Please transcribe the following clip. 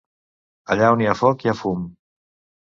Allà on hi ha foc hi ha fum.